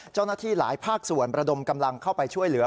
เจ้าหน้าที่หลายภาคส่วนประดมกำลังเข้าไปช่วยเหลือ